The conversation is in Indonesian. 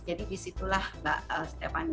jadi disitulah mbak stephanie